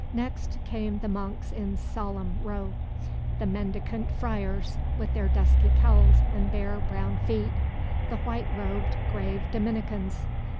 Next came the monks in solemn row: the mendicant friars, with their dusky cowls and bare, brown feet; the white robed, grave Dominicans.